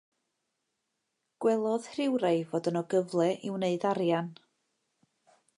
Gwelodd rhywrai fod yno gyfle i wneud arian.